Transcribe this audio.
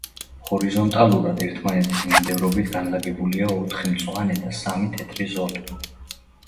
ჰორიზონტალურად ერთმანეთის მიმდევრობით განლაგებულია ოთხი მწვანე და სამი თეთრი ზოლი.